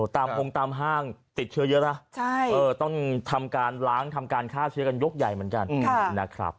ตามห้องตามห้างติดเชื้อเยอะนะต้องทำการล้างทำการฆ่าเชื้อกันยกใหญ่เหมือนกันนะครับ